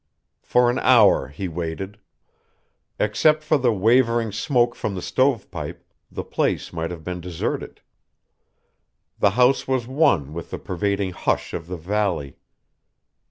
For an hour he waited. Except for the wavering smoke from the stovepipe, the place might have been deserted. The house was one with the pervading hush of the valley.